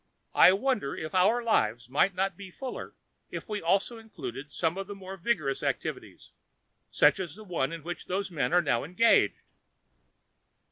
I wonder if our lives would not be fuller if we also included some of the more vigorous activities, such as the one in which those men are now engaged."